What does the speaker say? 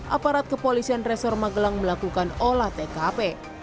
aparat kepolisian resor magelang melakukan olah tkp